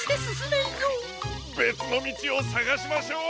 べつのみちをさがしましょう。